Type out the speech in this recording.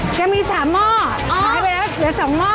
ถึงมี๓หม้อใช้ไปแล้ว๙หม้อ